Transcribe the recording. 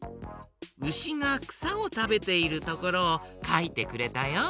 うしがくさをたべているところをかいてくれたよ。